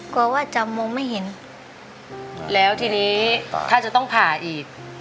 กลัวว่าจะมองไม่เห็นแล้วทีนี้ถ้าจะต้องผ่าอีก